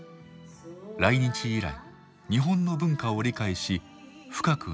来日以来日本の文化を理解し深く根ざそうとしてきた。